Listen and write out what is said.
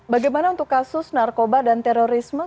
bagaimana untuk kasus narkoba dan terorisme